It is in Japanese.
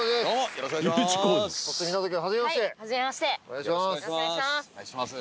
お願いします。